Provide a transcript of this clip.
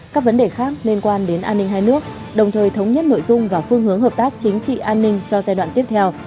các vấn đề khác liên quan đến an ninh hai nước đồng thời thống nhất nội dung và phương hướng hợp tác chính trị an ninh cho giai đoạn tiếp theo